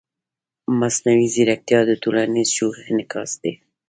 مصنوعي ځیرکتیا د ټولنیز شعور انعکاس دی.